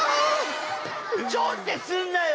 ちょんってすんなよ！